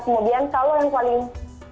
kemudian kalau yang paling